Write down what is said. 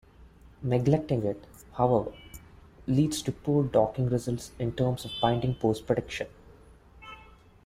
Neglecting it, however, leads to poor docking results in terms of binding pose prediction.